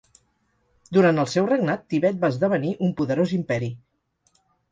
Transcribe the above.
Durant el seu regnat, Tibet va esdevenir un poderós imperi.